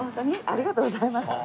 ありがとうございます。